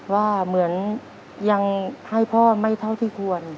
ว่าเหมือนยังให้พ่อไม่เท่าที่ควร